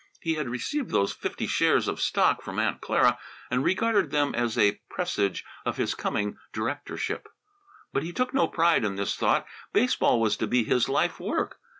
He had received those fifty shares of stock from Aunt Clara and regarded them as a presage of his coming directorship. But he took no pride in this thought. Baseball was to be his life work.